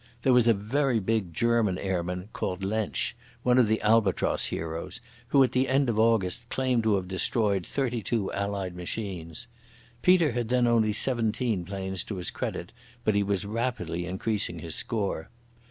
There was a very big German airman called Lensch, one of the Albatross heroes, who about the end of August claimed to have destroyed thirty two Allied machines. Peter had then only seventeen planes to his credit, but he was rapidly increasing his score.